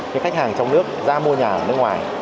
cái khách hàng trong nước ra mua nhà ở nước ngoài